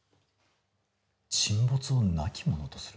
沈没をなきものとする？